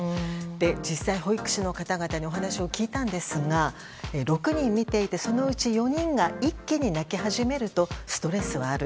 実際、保育士の方々にお話を聞いたんですが、６人見ていてそのうち４人が一気に泣き始めるとストレスはある。